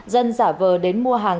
dân giả vờ đến mua hàng